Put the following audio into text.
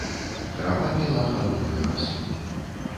Трава піла халодную расу.